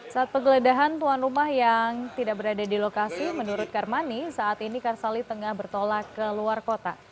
saat penggeledahan tuan rumah yang tidak berada di lokasi menurut karmani saat ini karsali tengah bertolak ke luar kota